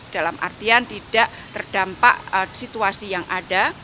dalam artian tidak terdampak situasi yang ada